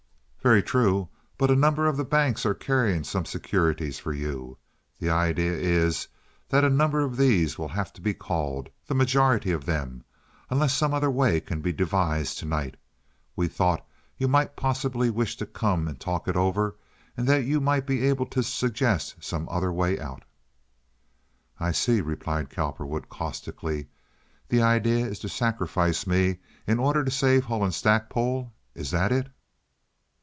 "Very true. But a number of the banks are carrying securities for you. The idea is that a number of these will have to be called—the majority of them—unless some other way can be devised to night. We thought you might possibly wish to come and talk it over, and that you might be able to suggest some other way out." "I see," replied Cowperwood, caustically. "The idea is to sacrifice me in order to save Hull & Stackpole. Is that it?"